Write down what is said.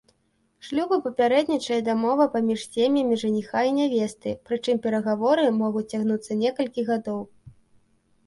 Шлюбу папярэднічае дамова паміж сем'ямі жаніха і нявесты, прычым перагаворы могуць цягнуцца некалькі гадоў.